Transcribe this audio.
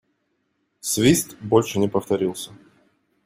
Свист больше не повторился.